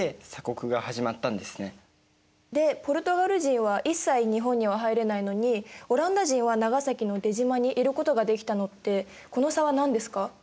でポルトガル人は一切日本には入れないのにオランダ人は長崎の出島にいることができたのってこの差は何ですか？